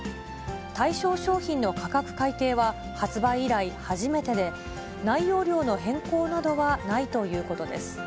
対象商品の価格改定は、発売以来初めてで、内容量の変更などはないということです。